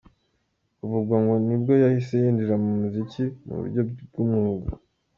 Kuva ubwo ngo nibwo yahise yinjira mu muziki mu buryo bw’umwuga.